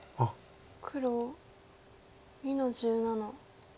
黒２の十七。